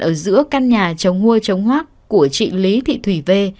ở giữa căn nhà chống hua chống hoác của chị lý thị thủy vê